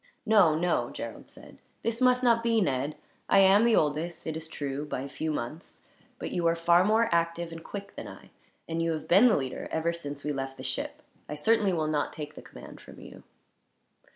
"No, no," Gerald said. "This must not be, Ned. I am the oldest, it is true, by a few months; but you are far more active and quick than I, and you have been the leader, ever since we left the ship. I certainly will not take the command from you."